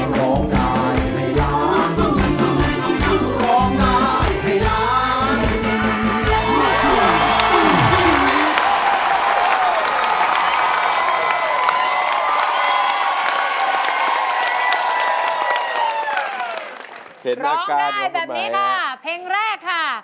ร้องได้แบบนี้ค่ะเพลงแรกค่ะ